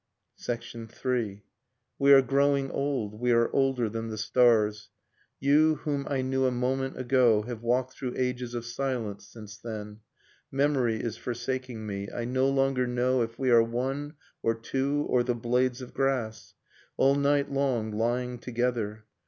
IQIS The Trenches III. We are growing old, we are older than the stars : You whom I knew a moment ago Have walked through ages of silence since then, Memory is forsaking me, I no longer know If we are one or two or the blades of the grass. .. All night long, lying together.